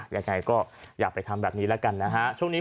อย่างไรก็อยากไปทำแบบนี้แล้วกันนะฮะ